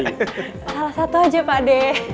salah satu aja pak ade